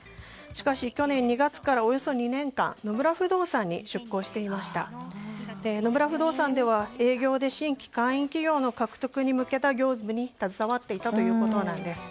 しかし去年２月からおよそ２年間野村不動産に出向していて野村不動産では営業で新規会員企業の獲得に向けた業務に携わっていたということです。